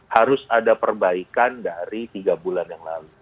harus ada perbaikan dari tiga bulan yang lalu